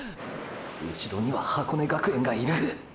うしろには箱根学園がいる！！